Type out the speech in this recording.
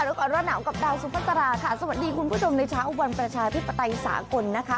ก่อนร้อนหนาวกับดาวสุภาษาค่ะสวัสดีคุณผู้ชมในเช้าวันประชาธิปไตยสากลนะคะ